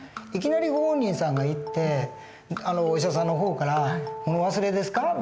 いきなりご本人さんが行ってお医者さんの方から「物忘れですか？」